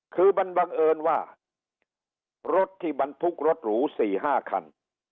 คือมันบังเอิญว่ารถที่บรรทุกรถหรู๔๕คัน